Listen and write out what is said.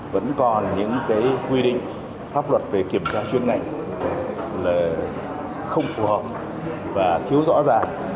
vẫn còn những cái quy định pháp luật về kiểm tra chuyên ngành là không phù hợp và thiếu rõ ràng